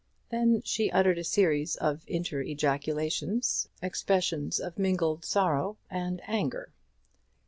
Then she uttered a series of inter ejaculations, expressions of mingled sorrow and anger.